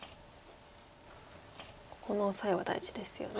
ここのオサエは大事ですよね。